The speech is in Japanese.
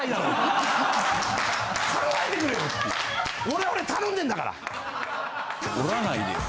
俺は俺で頼んでんだから。